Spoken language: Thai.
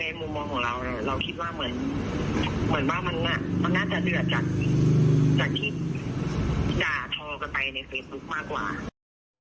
เราคิดว่าเหมือนเหมือนว่ามันน่ะมันน่าจะเดือดจากจากคิด